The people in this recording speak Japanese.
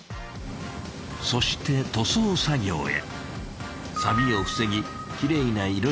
そして塗装作業へ。